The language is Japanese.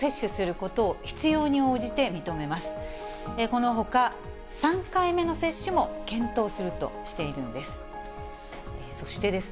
このほか３回目の接種も検討するとしているんです。